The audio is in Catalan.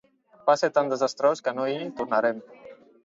Va ser tan desastrós que no hi tornarem.